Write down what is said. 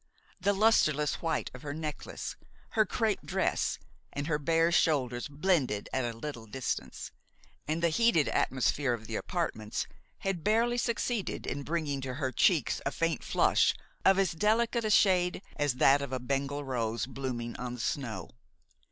The lustreless white of her necklace, her crêpe dress and her bare shoulders blended at a little distance, and the heated atmosphere of the apartments had barely succeeded in bringing to her cheeks a faint flush of as delicate a shade as that of a Bengal rose blooming on the snow.